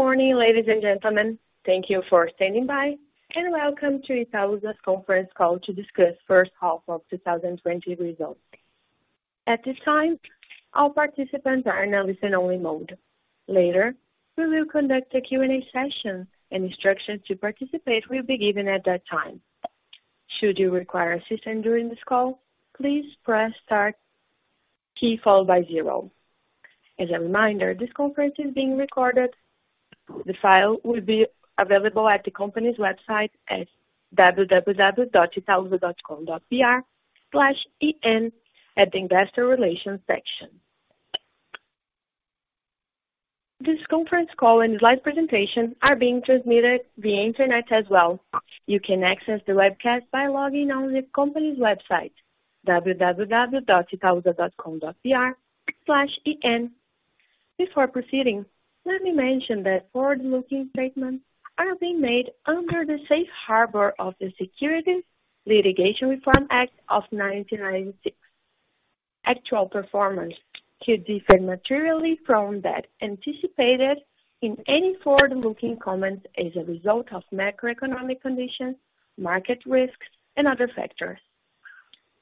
Good morning, ladies and gentlemen. Thank you for standing by, welcome to Itaúsa's conference call to discuss first half of 2020 results. At this time, all participants are in listen only mode. Later, we will conduct a Q&A session, and instructions to participate will be given at that time. Should you require assistance during this call, please press star key followed by zero. As a reminder, this conference is being recorded. The file will be available at the company's website at www.itausa.com.br/en at the Investor Relations section. This conference call and slide presentation are being transmitted via internet as well. You can access the webcast by logging on the company's website www.itausa.com.br/en. Before proceeding, let me mention that forward-looking statements are being made under the safe harbor of the Securities Litigation Reform Act of 1996. Actual performance could differ materially from that anticipated in any forward-looking comments as a result of macroeconomic conditions, market risks and other factors.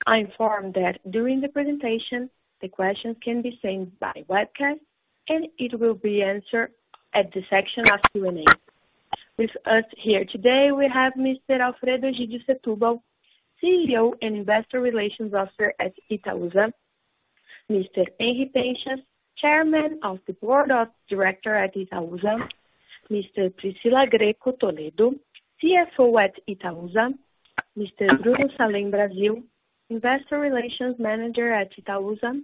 I inform that during the presentation, the questions can be sent by webcast, and it will be answered at the section of Q&A. With us here today, we have Mr. Alfredo Egydio Setubal, CEO and Investor Relations Officer at Itaúsa. Mr. Henri Penchas, Chairman of the Board of Directors at Itaúsa. Mr. Priscila Grecco Toledo, CFO at Itaúsa. Mr. Bruno Salém Brasil, Investor Relations Manager at Itaúsa.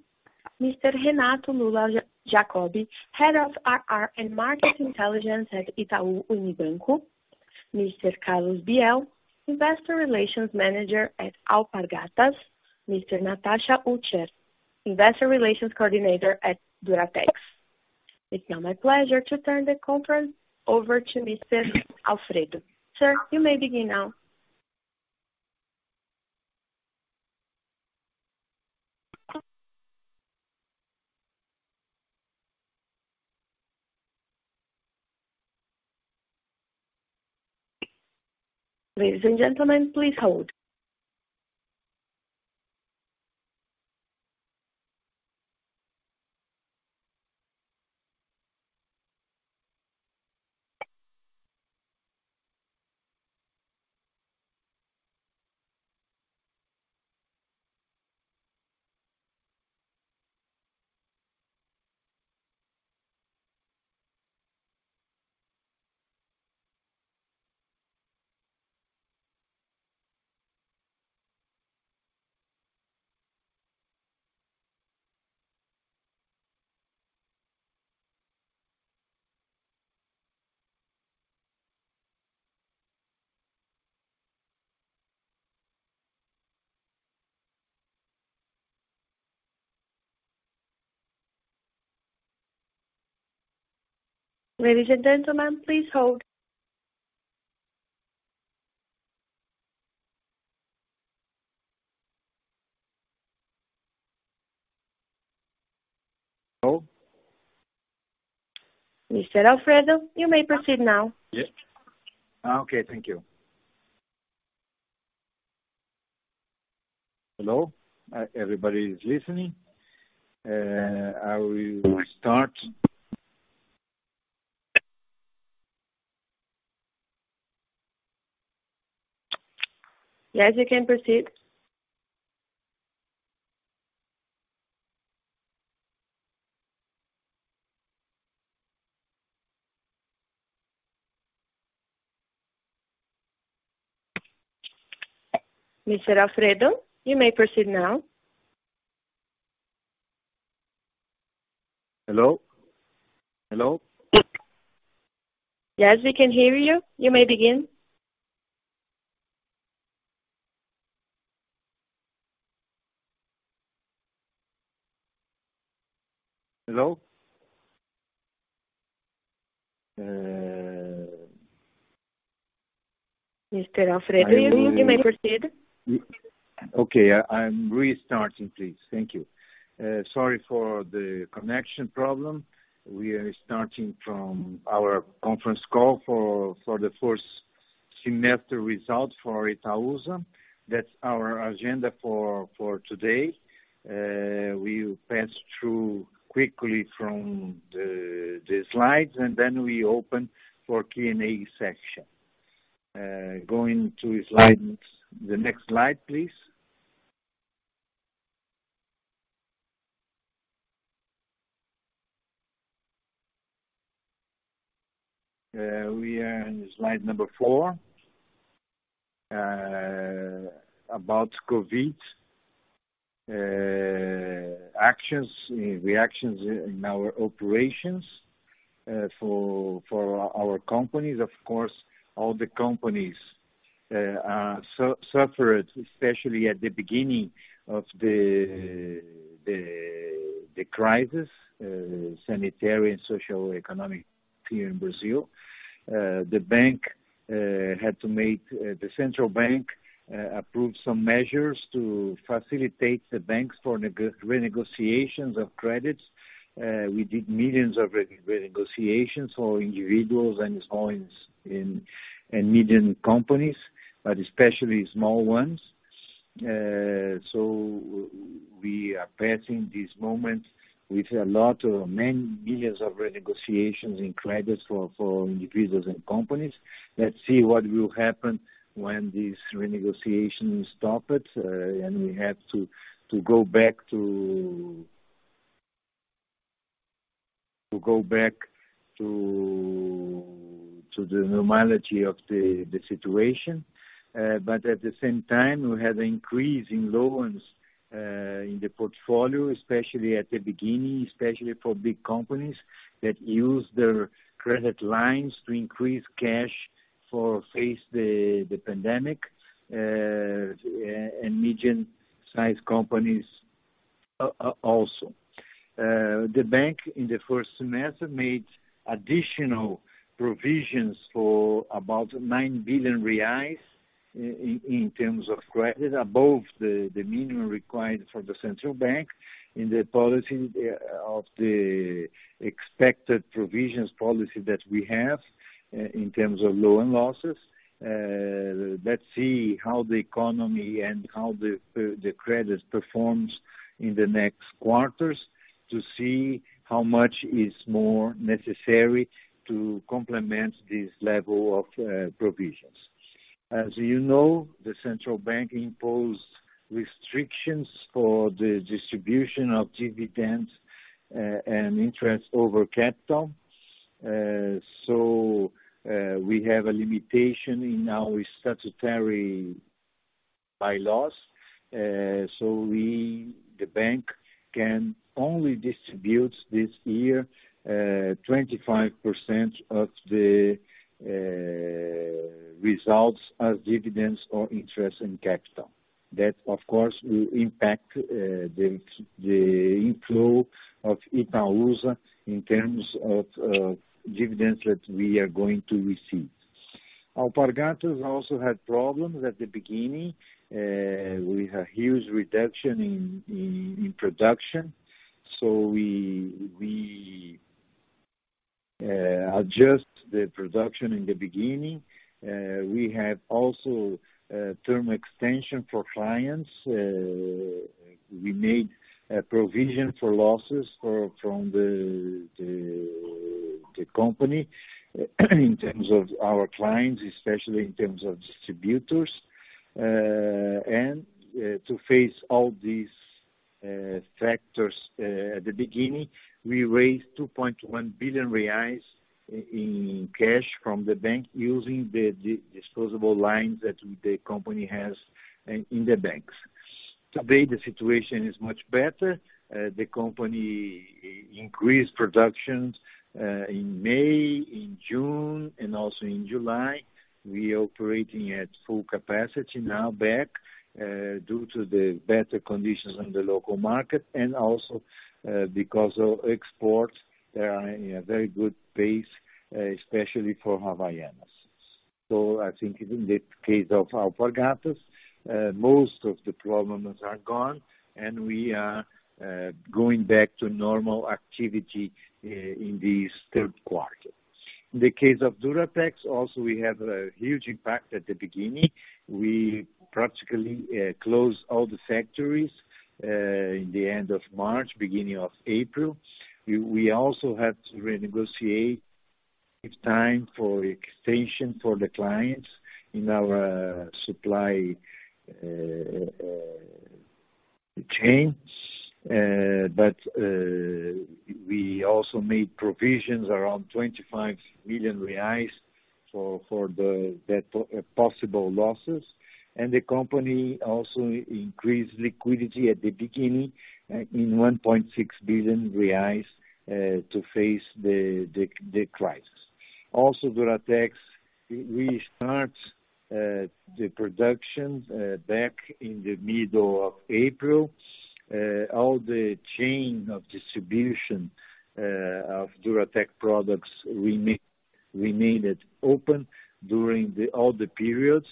Mr. Renato Lulia Jacob, Head of IR and Market Intelligence at Itaú Unibanco. Mr. Carlos Biel, Investor Relations Manager at Alpargatas. Mr. Natasha Utescher, Investor Relations Coordinator at Duratex. It's now my pleasure to turn the conference over to Mr. Alfredo. Sir, you may begin now. Ladies and gentlemen, please hold. Hello? Mr. Alfredo, you may proceed now. Yes. Okay, thank you. Hello? Everybody is listening? I will start. Yes, you can proceed. Mr. Alfredo, you may proceed now. Hello? Yes, we can hear you. You may begin. Hello? Mr. Alfredo, you may proceed. Okay, I'm restarting, please. Thank you. Sorry for the connection problem. We are starting from our conference call for the first semester results for Itaúsa. That's our agenda for today. We will pass through quickly from the slides, then we open for Q&A section. Going to the next slide, please. We are in slide number four about COVID reactions in our operations for our companies. Of course, all the companies suffered, especially at the beginning of the crisis, sanitary and socioeconomic here in Brazil. The bank had to make the central bank approve some measures to facilitate the banks for renegotiations of credits. We did millions of renegotiations for individuals and medium companies, especially small ones. We are passing this moment with many millions of renegotiations in credits for individuals and companies. Let's see what will happen when these renegotiations stop, we have to go back to the normality of the situation. At the same time, we have increase in loans in the portfolio, especially at the beginning, especially for big companies that use their credit lines to increase cash to face the pandemic, and medium-sized companies also. The bank, in the first semester, made additional provisions for about 9 billion reais in terms of credit above the minimum required for the central bank in the policy of the expected provisions policy that we have in terms of loan losses. Let's see how the economy and how the credit performs in the next quarters to see how much is more necessary to complement this level of provisions. As you know, the central bank imposed restrictions for the distribution of dividends and interest over capital. We have a limitation in our statutory bylaws. The bank can only distribute this year 25% of the results as dividends or interest in capital. That, of course, will impact the inflow of Itaúsa in terms of dividends that we are going to receive. Alpargatas also had problems at the beginning. We had huge reduction in production. We adjust the production in the beginning. We have also a term extension for clients. We made a provision for losses from the company in terms of our clients, especially in terms of distributors. To face all these factors at the beginning, we raised 2.1 billion reais in cash from the bank using the disposable lines that the company has in the banks. Today, the situation is much better. The company increased productions in May, in June, and also in July. We are operating at full capacity now back due to the better conditions in the local market and also because of exports that are in a very good pace, especially for Havaianas. I think in the case of Alpargatas, most of the problems are gone and we are going back to normal activity in this third quarter. In the case of Duratex, also we had a huge impact at the beginning. We practically closed all the factories in the end of March, beginning of April. We also had to renegotiate each time for extension for the clients in our supply chains. We also made provisions around 25 million reais for the possible losses. The company also increased liquidity at the beginning in 1.6 billion reais to face the crisis. Also Duratex restarts the production back in the middle of April. All the chain of distribution of Duratex products remained open during all the periods.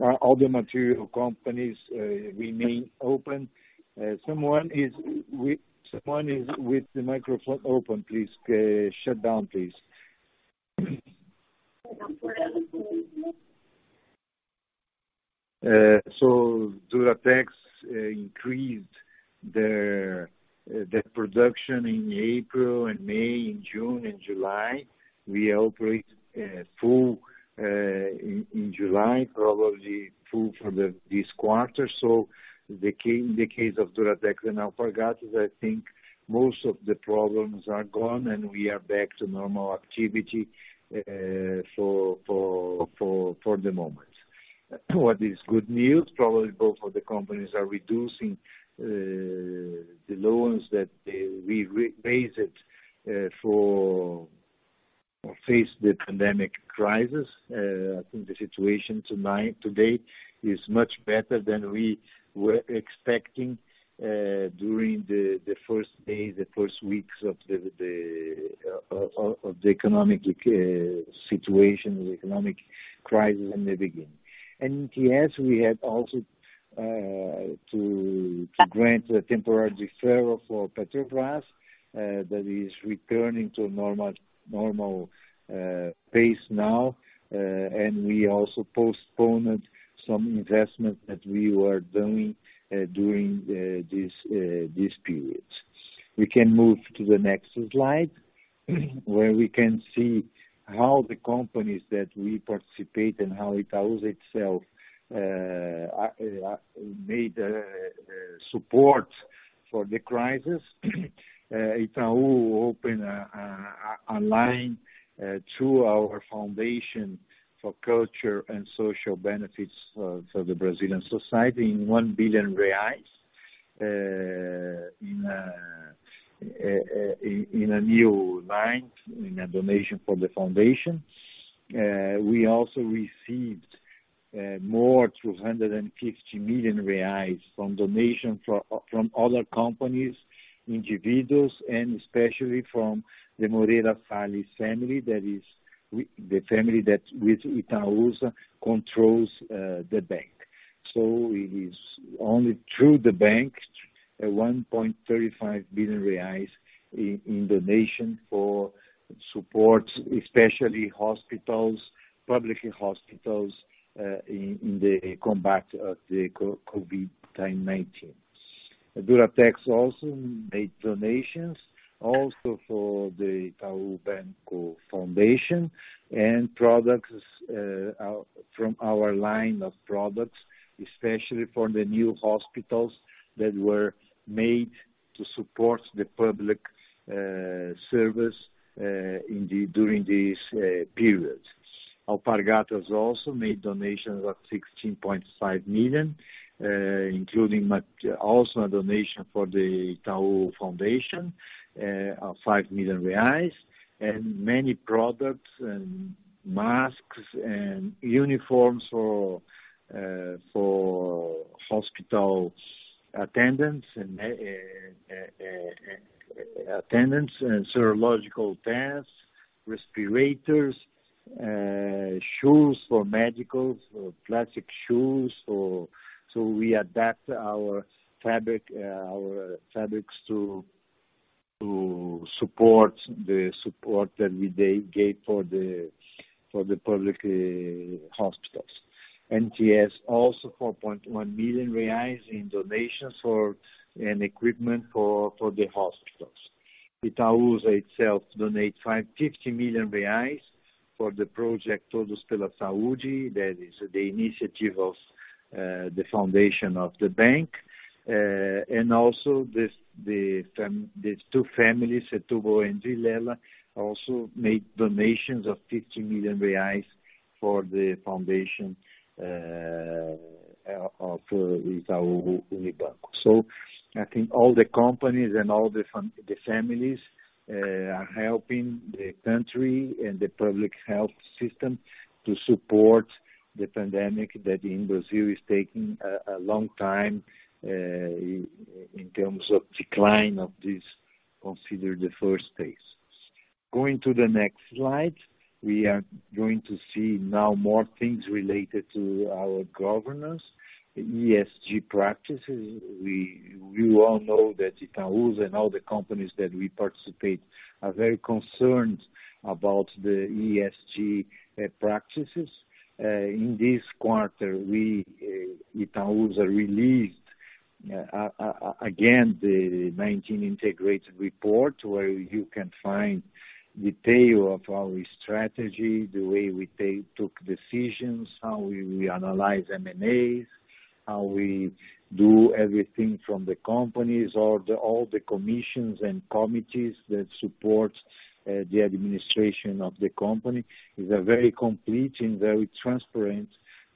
All the material companies remain open. Someone is with the microphone open. Please shut down, please. Duratex increased their production in April and May, in June and July. We operate full in July, probably full for this quarter. The case of Duratex and Alpargatas, I think most of the problems are gone and we are back to normal activity for the moment. What is good news, probably both of the companies are reducing the loans that we raised to face the pandemic crisis. I think the situation today is much better than we were expecting during the first days, the first weeks of the economic situation, the economic crisis in the beginning. Yes, we had also to grant a temporary deferral for Petrobras that is returning to normal pace now, and we also postponed some investment that we were doing during this period. We can move to the next slide, where we can see how the companies that we participate and how Itaú itself made support for the crisis. Itaú opened a line through our Foundation for culture and social benefits for the Brazilian society in 1 billion reais in a new line, in a donation for the Foundation. We also received more than 250 million reais from donations from other companies, individuals, and especially from the Moreira Salles family, that is, the family that with Itaúsa controls the bank. It is only through the bank, 1.35 billion reais in donation for support, especially hospitals, public hospitals, in the combat of the COVID-19. Duratex also made donations, also for the Fundação Itaú Social and products from our line of products, especially for the new hospitals that were made to support the public service during this period. Alpargatas also made donations of 16.5 million, including also a donation for the Fundação Itaú Social of 5 million reais, and many products and masks and uniforms for hospital attendants and serological tests, respirators, shoes for medical, plastic shoes. We adapt our fabrics to support the support that we gave for the public hospitals. NTS also 4.1 million reais in donations and equipment for the hospitals. Itaúsa itself donates 550 million reais for the project Todos pela Saúde. That is the initiative of the foundation of the bank. Also these two families, Setúbal and Villela, also made donations of 50 million reais for the foundation of Itaú Unibanco. I think all the companies and all the families are helping the country and the public health system to support the pandemic that in Brazil is taking a long time, in terms of decline of this, consider the phase 1. Going to the next slide, we are going to see now more things related to our governance, ESG practices. We all know that Itaú and all the companies that we participate are very concerned about the ESG practices. In this quarter, Itaúsa released again the 2019 integrated report, where you can find detail of our strategy, the way we take decisions, how we analyze M&As, how we do everything from the companies, all the commissions and committees that support the administration of the company. It's a very complete and very transparent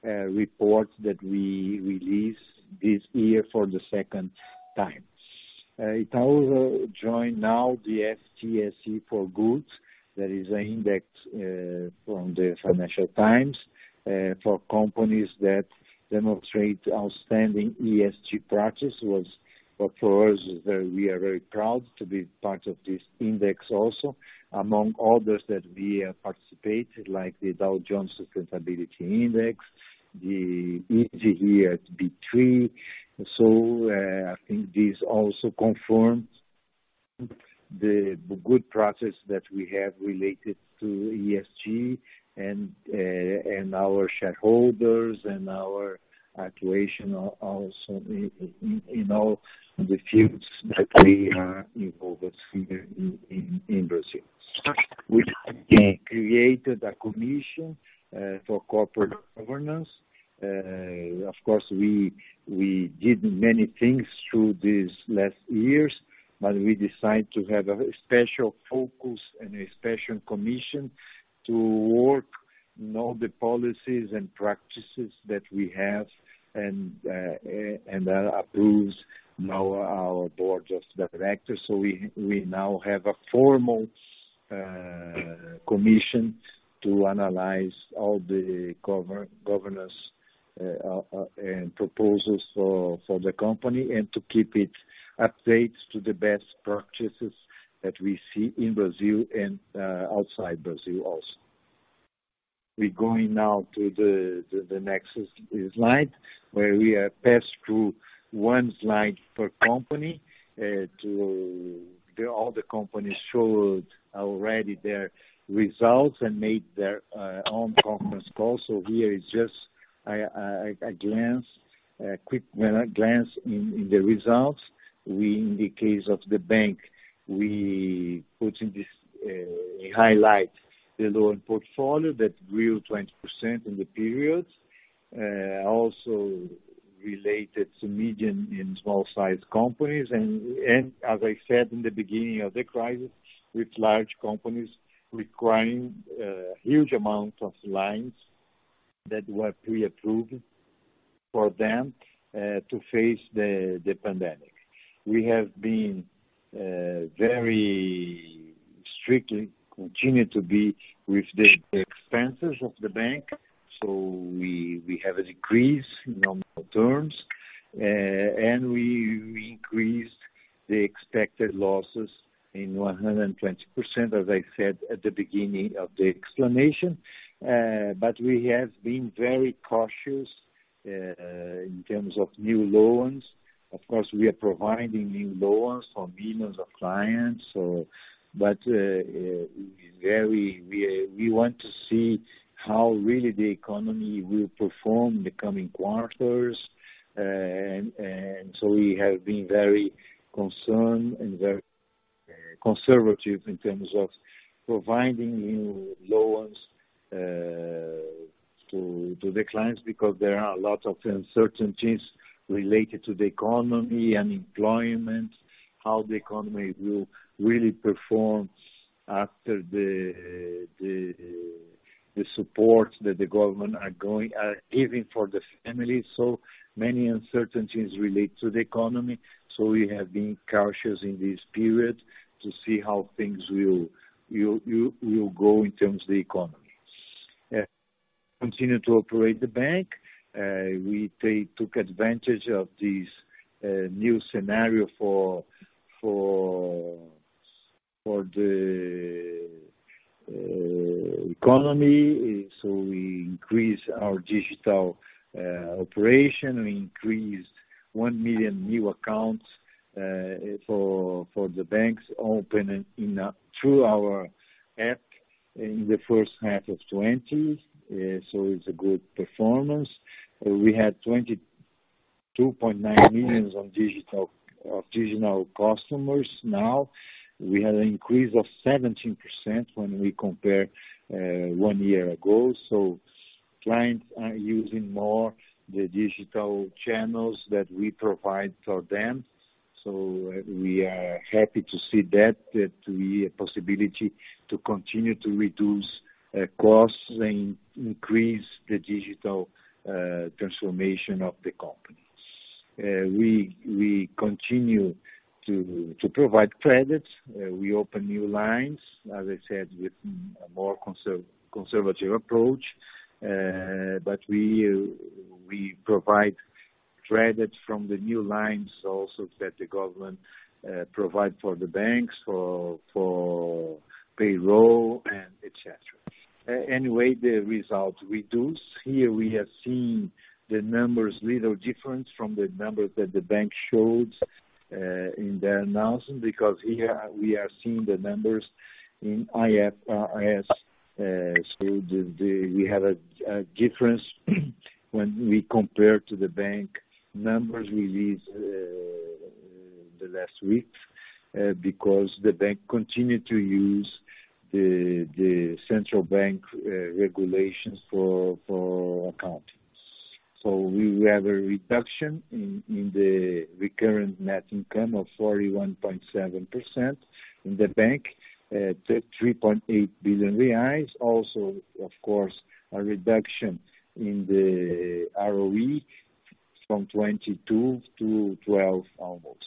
report that we release this year for the second time. Itaú joined now the FTSE4Good. That is an index from the Financial Times for companies that demonstrate outstanding ESG practice. For us, we are very proud to be part of this index also, among others that we have participated, like the Dow Jones Sustainability Index, the ESG here at B3. I think this also confirms the good practice that we have related to ESG and our shareholders and our actuation also in all the fields that we are involved in Brazil. We have created a commission for corporate governance. Of course, we did many things through these last years, but we decided to have a special focus and a special commission to work know the policies and practices that we have and approves our Board of Directors. We now have a formal commission to analyze all the governance and proposals for the company, and to keep it updates to the best practices that we see in Brazil and outside Brazil also. We're going now to the next slide, where we have passed through one slide per company to all the companies showed already their results and made their own conference call. Here is just a glance, a quick glance in the results. In the case of the bank, we put in this highlight the loan portfolio that grew 20% in the period, also related to medium and small-sized companies. As I said in the beginning of the crisis, with large companies requiring huge amount of lines that were pre-approved for them to face the pandemic. We have been very strictly, continue to be with the expenses of the bank. We have a decrease in normal terms, and we increased the expected losses in 120%, as I said at the beginning of the explanation. We have been very cautious, in terms of new loans. Of course, we are providing new loans for millions of clients. We want to see how really the economy will perform in the coming quarters. We have been very concerned and very conservative in terms of providing new loans to the clients, because there are a lot of uncertainties related to the economy and employment, how the economy will really perform after the support that the government are giving for the families. Many uncertainties relate to the economy. We have been cautious in this period to see how things will go in terms of the economy. Continue to operate the bank. We took advantage of this new scenario for the economy. We increased our digital operation. We increased 1 million new accounts for the banks opening through our app in the first half of 2020. It's a good performance. We had 22.9 million of digital customers now. We had an increase of 17% when we compare one year ago. Clients are using more the digital channels that we provide for them. We are happy to see that to be a possibility to continue to reduce costs and increase the digital transformation of the company. We continue to provide credit. We open new lines, as I said, with a more conservative approach. We provide credit from the new lines also that the government provide for the banks, for payroll, and et cetera. Anyway, the results reduced. Here we have seen the numbers little different from the numbers that the bank showed in their announcement because here we are seeing the numbers in IAS. We have a difference when we compare to the bank numbers released the last week because the bank continued to use the central bank regulations for accountants. We have a reduction in the recurrent net income of 41.7% in the bank, 3.8 billion reais. Also, of course, a reduction in the ROE from 22 to 12 almost.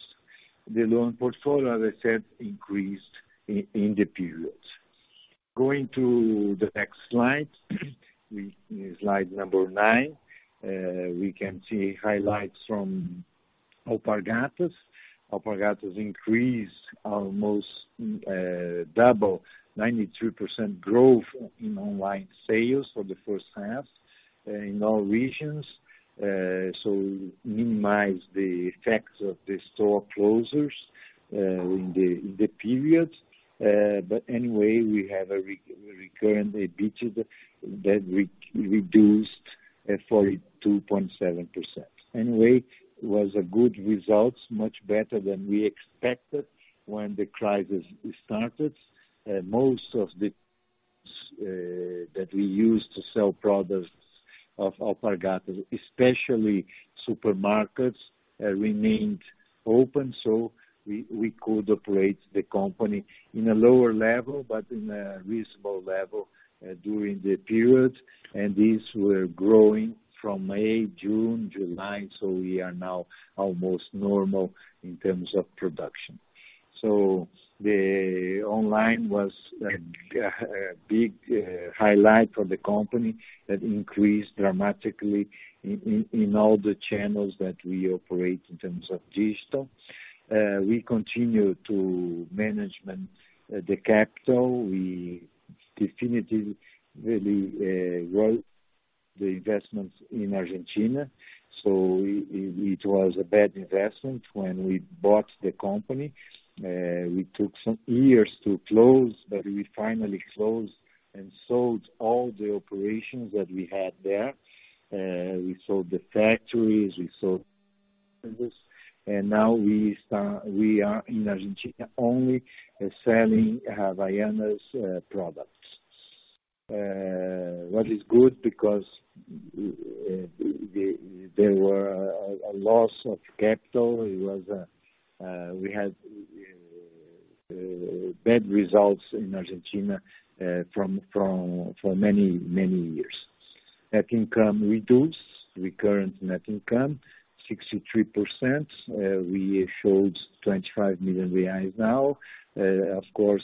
The loan portfolio, as I said, increased in the periods. Going to the next slide nine, we can see highlights from Alpargatas. Alpargatas increased almost double, 93% growth in online sales for the first half in all regions, minimized the effects of the store closures in the period. Anyway, we have a recurrent EBITDA that reduced 42.7%. It was a good result, much better than we expected when the crisis started. Most of that we use to sell products of Alpargatas, especially supermarkets remained open. We could operate the company in a lower level, but in a reasonable level during the period. These were growing from May, June, July. We are now almost normal in terms of production. The online was a big highlight for the company. That increased dramatically in all the channels that we operate in terms of digitals. We continue to manage the capital. We definitively wrote off the investments in Argentina. It was a bad investment when we bought the company. We took some years to close. We finally closed and sold all the operations that we had there. We sold the factories, we sold and now we are in Argentina only selling Havaianas products. What is good because there were a loss of capital. We had bad results in Argentina for many, many years. Net income reduced, recurrent net income, 63%. We showed 25 million reais now. Of course,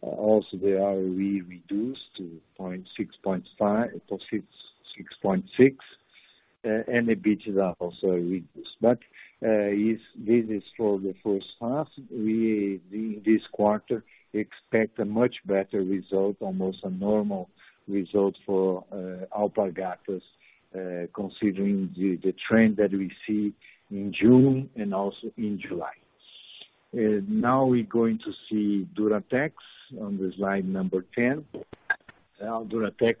also the ROE reduced to 6.6, and EBITDA also reduced. This is for the first half. We, in this quarter, expect a much better result, almost a normal result for Alpargatas, considering the trend that we see in June and also in July. We're going to see Duratex on the slide number 10. Duratex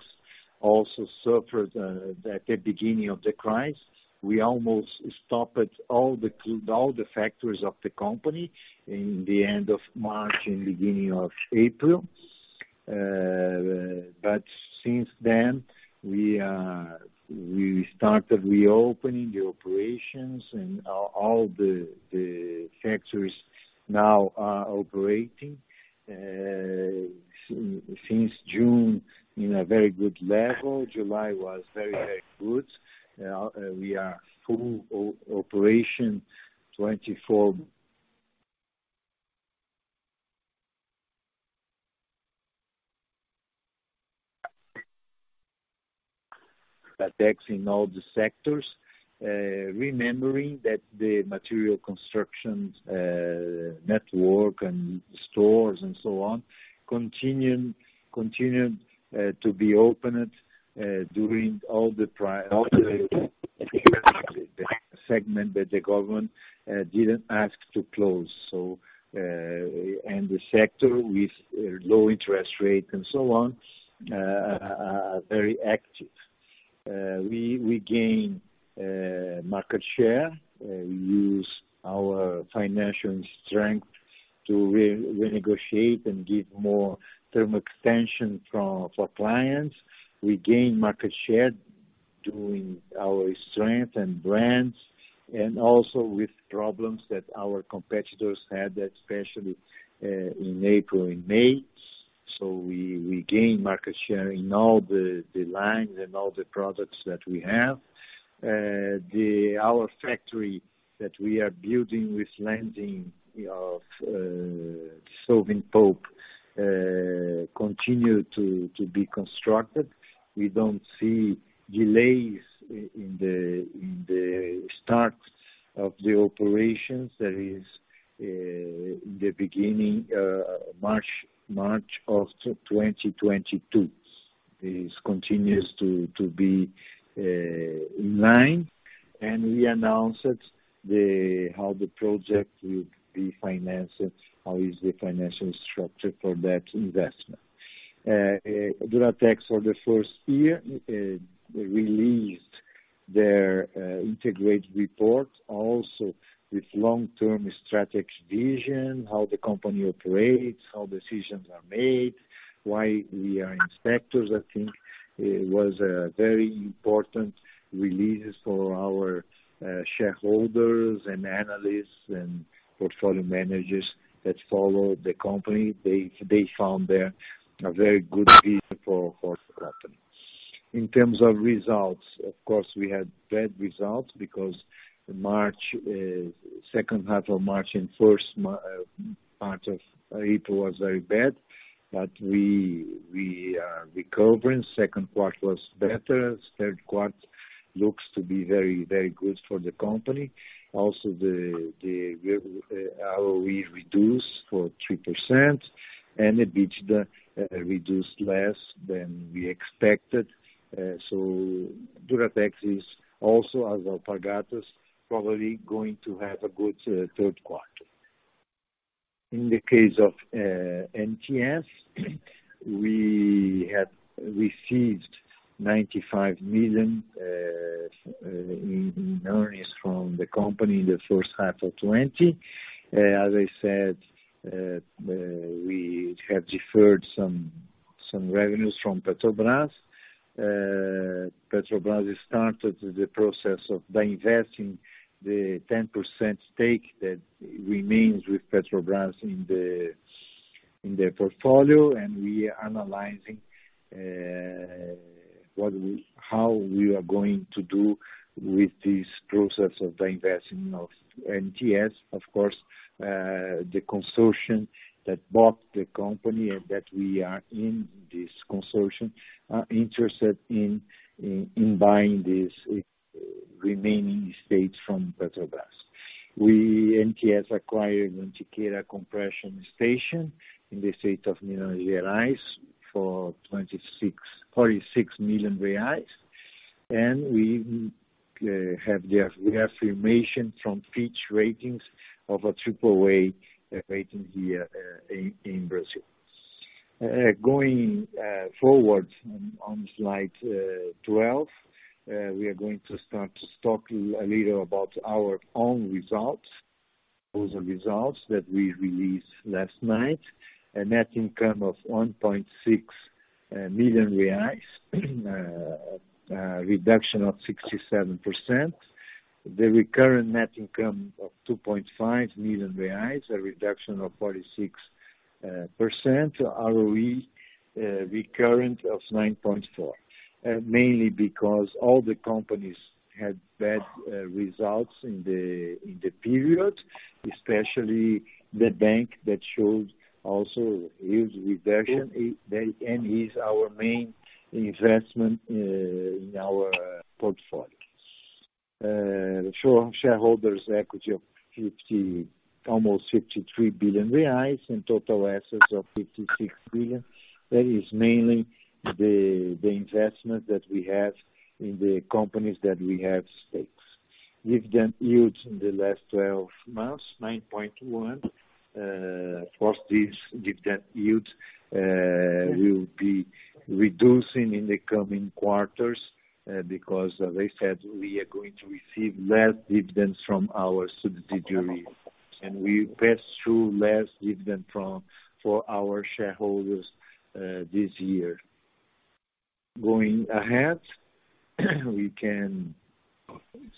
also suffered at the beginning of the crisis. We almost stopped all the factories of the company in the end of March and beginning of April. Since then, we started reopening the operations and all the factories now are operating since June, in a very good level. July was very, very good. We are full operation, 24 Duratex in all the sectors. Remembering that the material constructions network and stores and so on continued to be opened during all the segment that the government didn't ask to close. The sector with low interest rates and so on, are very active. We gain market share. We use our financial strength to renegotiate and give more term extension for clients. We gain market share during our strength and brands, and also with problems that our competitors had, especially, in April and May. We gain market share in all the lines and all the products that we have. Our factory that we are building with Lenzing of dissolving pulp, continue to be constructed. We don't see delays in the starts of the operations. That is in the beginning, March of 2022. This continues to be in line, and we announced how the project will be financed and how is the financial structure for that investment. Duratex for the first year, released their integrated report also with long-term strategic vision, how the company operates, how decisions are made, why we are in sectors. I think it was a very important release for our shareholders and analysts and portfolio managers that follow the company. They found there a very good for the company. We are recovering. Second quarter was better. Third quarter looks to be very good for the company. Also the ROE reduced for 3%, and the EBITDA reduced less than we expected. Duratex is also, as Alpargatas, probably going to have a good third quarter. In the case of NTS, we had received $95 million in earnings from the company in the first half of 2020. As I said, we have deferred some revenues from Petrobras. Petrobras has started the process of divesting the 10% stake that remains with Petrobras in the portfolio, and we are analyzing how we are going to do with this process of divesting of NTS. Of course, the consortium that bought the company, and that we are in this consortium, are interested in buying this remaining stake from Petrobras. NTS acquired Mantiqueira Compression Station in the state of Minas Gerais for 46 million reais. We have the affirmation from Fitch Ratings of a AAA rating here in Brazil. Going forward on slide 12, we are going to start to talk a little about our own results. Those are results that we released last night. A net income of 1.6 million reais, a reduction of 67%. The recurrent net income of 2.5 million reais, a reduction of 46%. ROE recurrent of 9.4, mainly because all the companies had bad results in the period, especially the bank that showed also huge reversion, and is our main investment in our portfolio. Show shareholders equity of almost 53 billion reais and total assets of 56 billion. That is mainly the investment that we have in the companies that we have stakes. Dividend yields in the last 12 months, 9.1. Of course, this dividend yield will be reducing in the coming quarters, because as I said, we are going to receive less dividends from our subsidiary, and we pass through less dividend for our shareholders this year. We can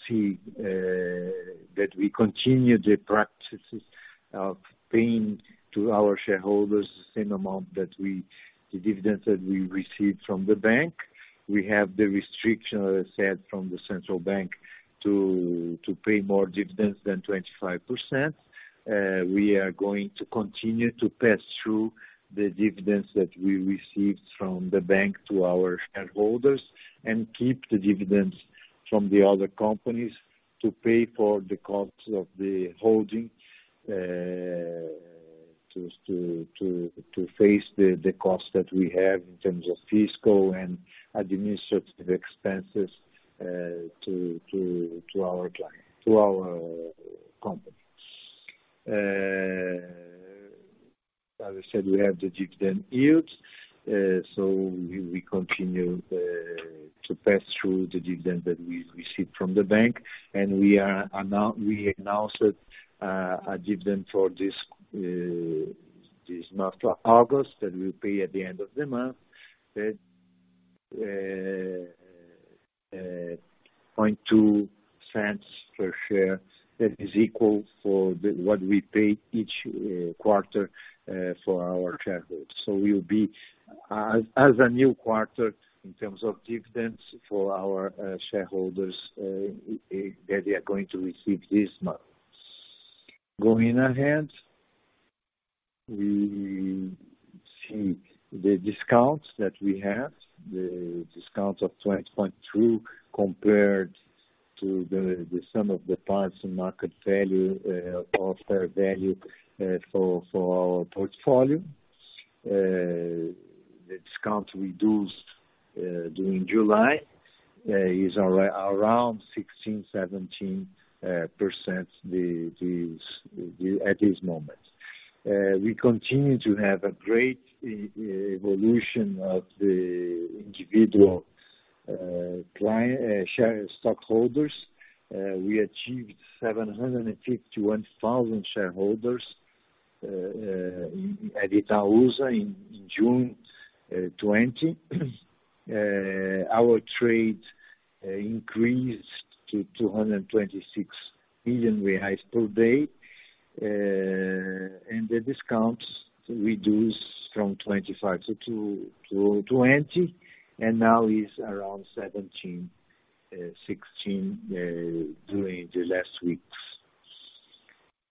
see that we continue the practices of paying to our shareholders the same amount, the dividends that we received from the bank. We have the restriction, as I said, from the central bank to pay more dividends than 25%. We are going to continue to pass through the dividends that we received from the bank to our shareholders and keep the dividends from the other companies to pay for the cost of the holding, to face the cost that we have in terms of fiscal and administrative expenses to our company. As I said, we have the dividend yields. We continue to pass through the dividend that we received from the bank, and we announced a dividend for this month of August that we'll pay at the end of the month, that BRL 0.002 per share. That is equal for what we pay each quarter for our shareholders. We will be, as a new quarter in terms of dividends for our shareholders, that they are going to receive this month. Going ahead, we see the discounts that we have, the discount of 20.2% compared to the sum of the parts and market value of fair value for our portfolio. The discount reduced during July is around 16%-17% at this moment. We continue to have a great evolution of the individual stockholders. We achieved 751,000 shareholders at Itaúsa in June 2020. Our trade increased to 226 billion reais per day, and the discounts reduced from 25% to 20%, and now is around 17%-16% during the last weeks.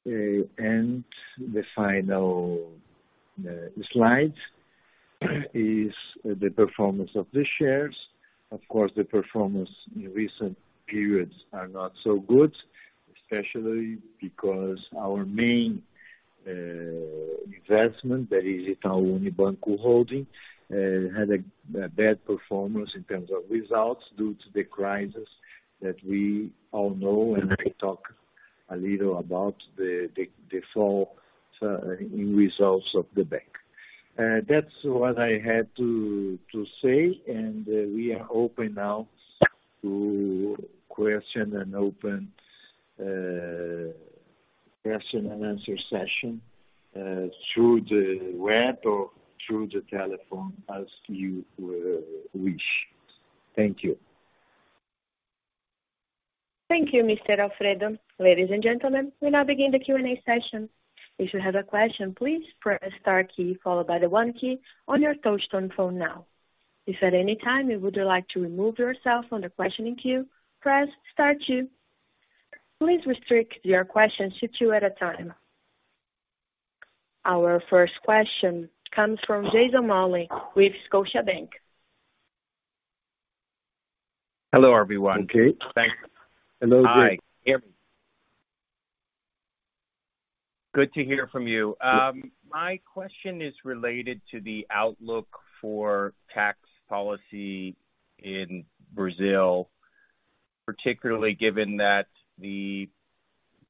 The final slide is the performance of the shares. Of course, the performance in recent periods are not so good, especially because our main investment, that is Itaú Unibanco Holding, had a bad performance in terms of results due to the crisis that we all know. I talk a little about the fall in results of the bank. That's what I had to say. We are open now to question and open question and answer session through the web or through the telephone as you wish. Thank you. Thank you, Mr. Alfredo. Ladies and gentlemen, we now begin the Q&A session. If you have a question, please press star key followed by the one key on your touchtone phone now. If at any time you would like to remove yourself from the questioning queue, press star two. Please restrict your questions to two at a time. Our first question comes from Jason Mollin with Scotiabank. Hello, everyone. Okay. Thanks. Hello, Jason. Hi. Good to hear from you. My question is related to the outlook for tax policy in Brazil, particularly given that the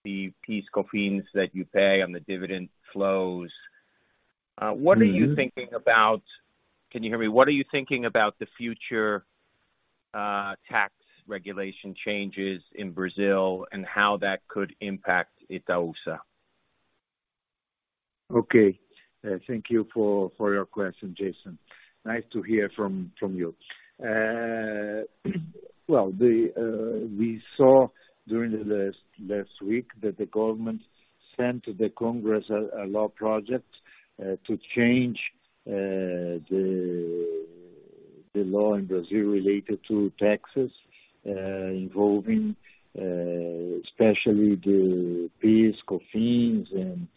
PIS/Cofins that you pay on the dividend flows. Can you hear me? What are you thinking about the future tax regulation changes in Brazil and how that could impact Itaúsa? Okay. Thank you for your question, Jason. Nice to hear from you. Well, we saw during the last week that the government sent the Congress a law project to change the law in Brazil related to taxes, involving especially the PIS/Cofins and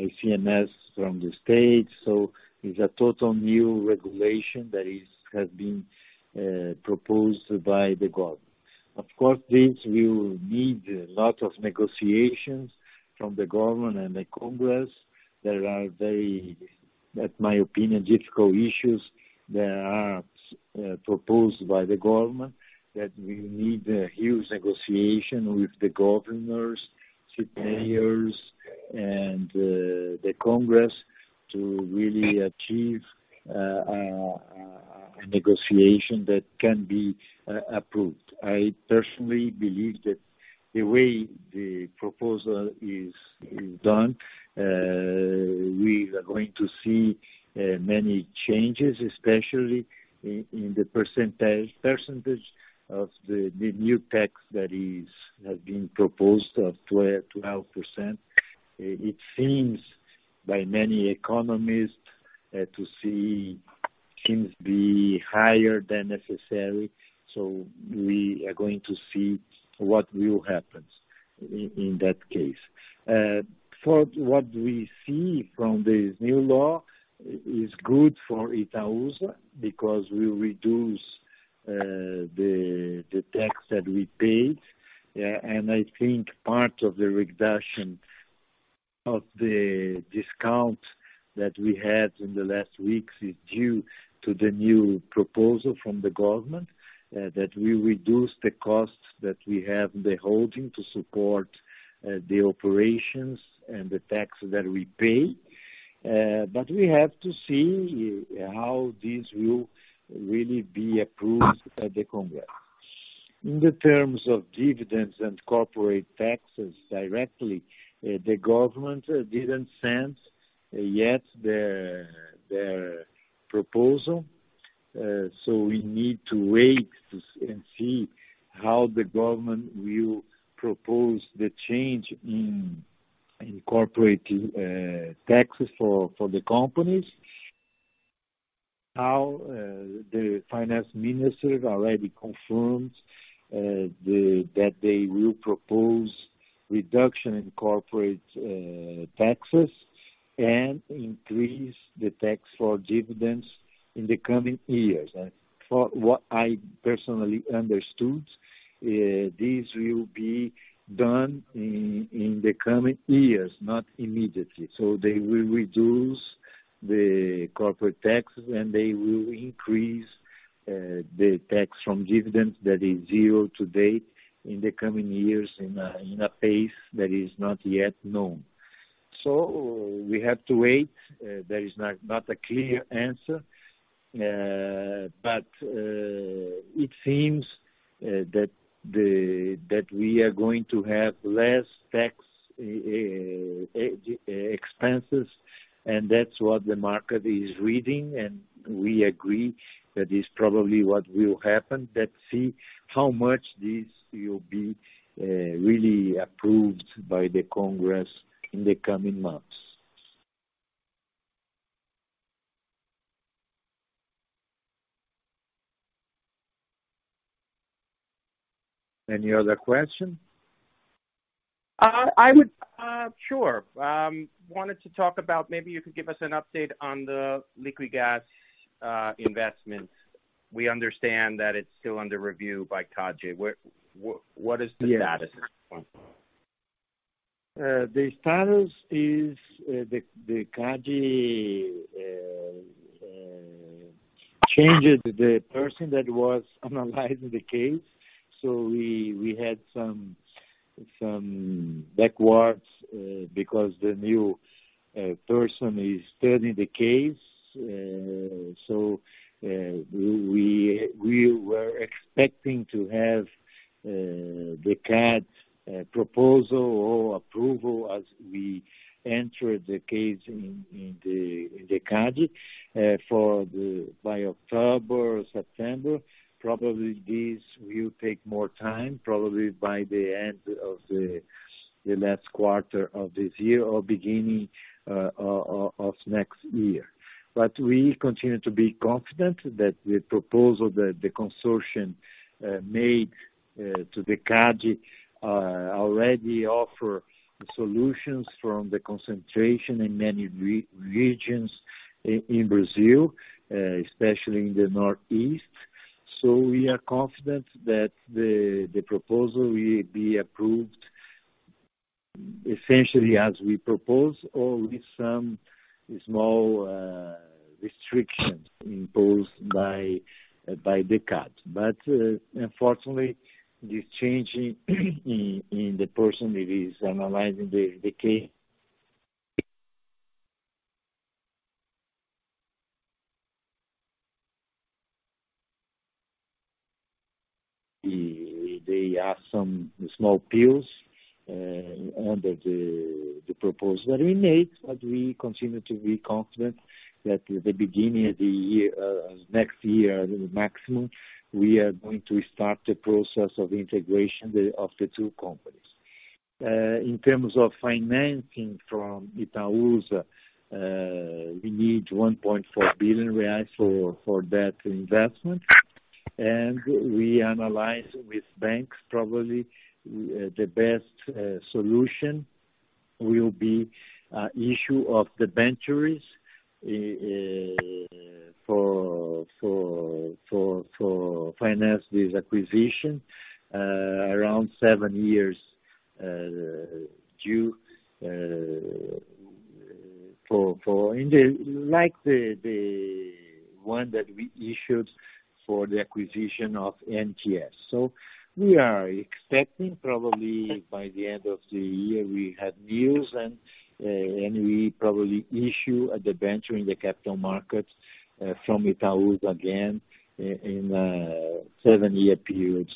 ICMS from the state. It's a total new regulation that has been proposed by the government. Of course, this will need a lot of negotiations from the government and the Congress that are very, at my opinion, difficult issues that are proposed by the government that will need a huge negotiation with the governors, city mayors, and the Congress to really achieve a negotiation that can be approved. I personally believe that the way the proposal is done, we are going to see many changes, especially in the percentage of the new tax that has been proposed of 12%. It seems by many economists to see things be higher than necessary, so we are going to see what will happen in that case. For what we see from this new law is good for Itaúsa because we reduce the tax that we paid. I think part of the reduction of the discount that we had in the last weeks is due to the new proposal from the government that will reduce the costs that we have in the holding to support the operations and the tax that we pay. We have to see how this will really be approved by the Congress. In the terms of dividends and corporate taxes directly, the government didn't send yet their proposal. We need to wait and see how the government will propose the change in corporate taxes for the companies. The finance minister already confirmed that they will propose reduction in corporate taxes and increase the tax for dividends in the coming years. For what I personally understood, this will be done in the coming years, not immediately. They will reduce the corporate taxes, and they will increase the tax from dividends that is zero to date in the coming years in a pace that is not yet known. We have to wait. There is not a clear answer, but it seems that we are going to have less tax expenses, and that's what the market is reading, and we agree that is probably what will happen. Let's see how much this will be really approved by the Congress in the coming months. Any other question? Sure. Wanted to talk about maybe you could give us an update on the Liquigás investment. We understand that it's still under review by CADE. What is the status at this point? The status is the CADE changed the person that was analyzing the case. We had some backwards because the new person is studying the case. We were expecting to have the CADE proposal or approval as we entered the case in the CADE by October or September. Probably this will take more time, probably by the end of the last quarter of this year or beginning of next year. We continue to be confident that the proposal that the consortium made to the CADE already offer solutions from the concentration in many regions in Brazil, especially in the Northeast. We are confident that the proposal will be approved essentially as we propose, or with some small restrictions imposed by the CADE. Unfortunately, this change in the person that is analyzing the case. There are some small pills under the proposal that we made, but we continue to be confident that the beginning of next year maximum, we are going to start the process of integration of the two companies. In terms of financing from Itaúsa, we need 1.4 billion reais for that investment, and we analyze with banks probably the best solution will be issue of debentures for finance this acquisition around seven years due, like the one that we issued for the acquisition of NTS. We are expecting probably by the end of the year, we have news and we probably issue a debenture in the capital markets from Itaúsa again in seven-year periods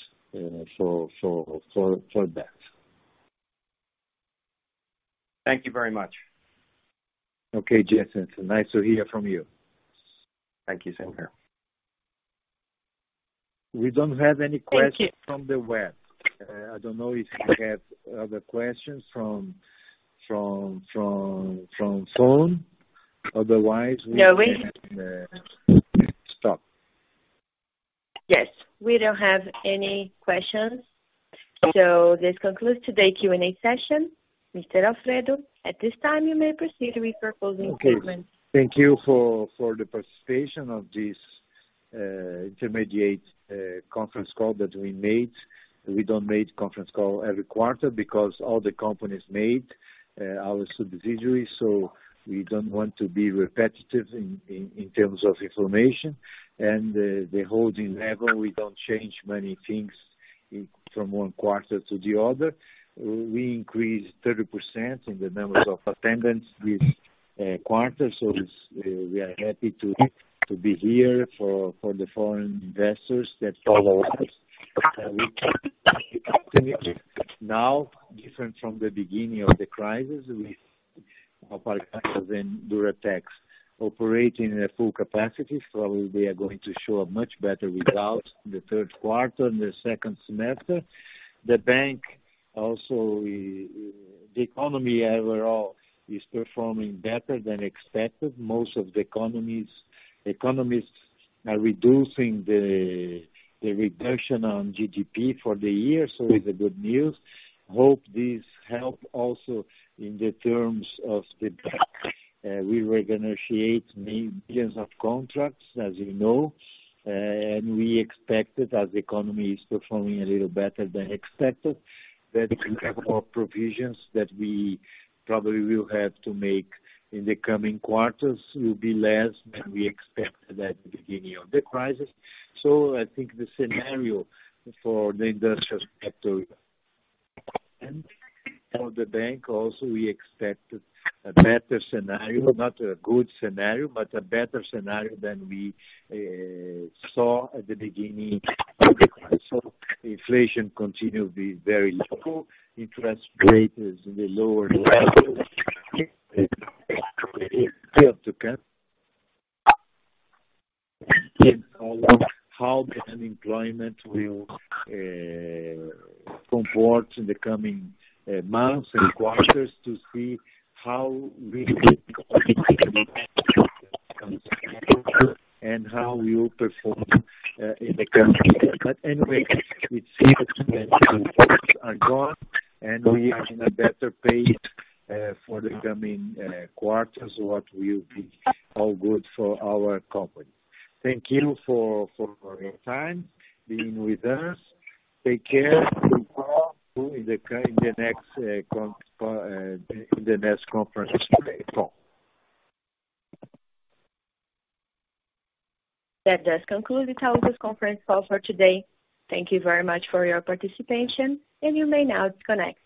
for that. Thank you very much. Okay, Jason, it's nice to hear from you. Thank you, sir. We don't have any questions from the web. I don't know if you have other questions from phone. Otherwise, we can stop. We don't have any questions. This concludes today's Q&A session. Mr. Alfredo, at this time, you may proceed with your closing comments. Okay, thank you for the participation of this intermediate conference call that we made. We don't make conference call every quarter because all the companies made our subsidiaries, so we don't want to be repetitive in terms of information and the holding level, we don't change many things from one quarter to the other. We increased 30% in the numbers of attendance this quarter, so we are happy to be here for the foreign investors that follow us. We can see now different from the beginning of the crisis with Paradise and Duratex operating at full capacity. We are going to show a much better result in the third quarter and the second semester. The bank also, the economy overall is performing better than expected. Most of the economists are reducing the regression on GDP for the year, so it's a good news. Hope this help also in the terms of the bank. We renegotiate billions of contracts, as you know. We expected as the economy is performing a little better than expected, that we have more provisions that we probably will have to make in the coming quarters will be less than we expected at the beginning of the crisis. I think the scenario for the industrial sector and for the bank also, we expect a better scenario, not a good scenario, but a better scenario than we saw at the beginning of the crisis. Inflation continue to be very low, interest rates in the lower levels. We have to check how the unemployment will perform in the coming months and quarters to see how we and how we will perform in the country. Anyway, we think that the worst are gone, and we are in a better pace for the coming quarters, what will be all good for our company. Thank you for your time being with us. Take care, and talk in the next conference call. That does conclude the Itaúsa conference call for today. Thank you very much for your participation, and you may now disconnect.